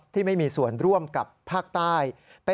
ที่มีส่วนร่วมกับภาคใต้